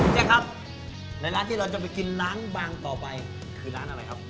เนี่ยครับและร้านที่เราจะไปกินล้างบางต่อไปคือร้านอะไรครับ